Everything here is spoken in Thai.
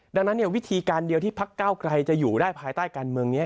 ดังนั้นวิธีการเดียวที่พักเก้าไกลจะอยู่ได้ภายใต้การเมืองนี้